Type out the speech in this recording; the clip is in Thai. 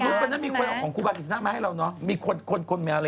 ทุกคนนั้นมีคนเอาของครูบากิสนักมาให้เราเนาะมีคนคนมาเล